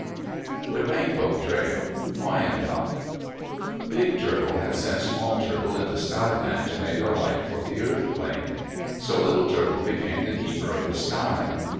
THE RAINBOW TRAIL Wyandot Big Turtle had sent Small Turtle into Sky Land to make a light for the Earth Plain. So Little Turtle became the Keeper of the Sky.